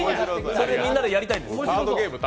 それをみんなでやりたいんです。